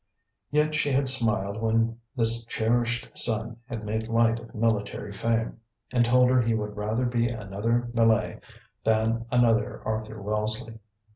Yet she had smiled when this cherished son had made light of military fame, and told her he would rather be another Millais than another Arthur Wellesley.